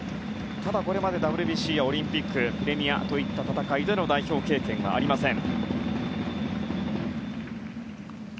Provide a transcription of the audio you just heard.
ただこれまでＷＢＣやオリンピックプレミアといった戦いでの代表経験はありません。